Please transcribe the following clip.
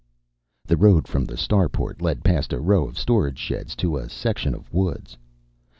The road from the starport led past a row of storage sheds to a section of woods.